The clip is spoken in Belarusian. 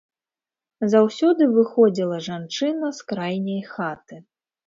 Заўсёды выходзіла жанчына з крайняй хаты.